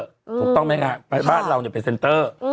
ถูกต้องไหมคะบ้านเราเป็นเซ็นเตอร์